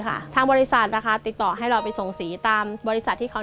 คะทางบริษัทนะคะกาลติดต่อให้รอไปทรงสี่ตามภายในบริษัทที่เขา